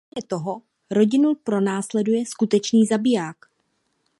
Kromě toho rodinu pronásleduje skutečný zabiják.